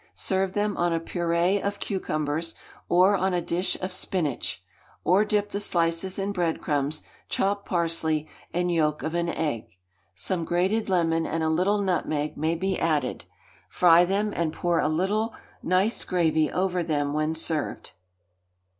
Serve them on a purée of cucumbers, or on a dish of spinach; or dip the slices in bread crumbs, chopped parsley, and yolk of an egg; some grated lemon and a little nutmeg may be added. Fry them, and pour a little nice gravy over them when served.